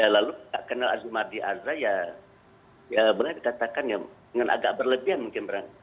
lalu tidak kenal azumati andra ya boleh dikatakan dengan agak berlebihan